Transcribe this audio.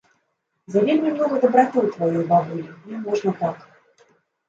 Завельмі многа дабраты ў тваёй бабулі, не можна так.